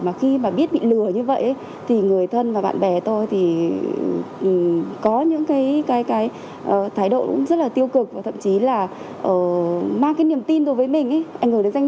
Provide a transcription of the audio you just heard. mà khi mà biết bị lừa như vậy thì người thân và bạn bè tôi thì có những cái thái độ rất là tiêu cực và thậm chí là mang cái niềm tin đối với mình